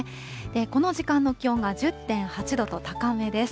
この時間の気温が１０．８度と高めです。